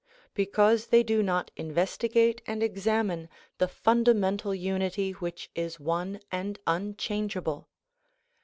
Because they do not investi gate and examine the fundamental unity which is one and un changeable.